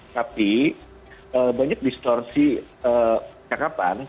tapi banyak distorsi cakapannya